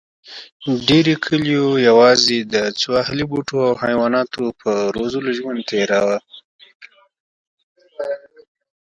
ډېرې کلیوې یواځې د څو اهلي بوټو او حیواناتو په روزلو ژوند تېراوه.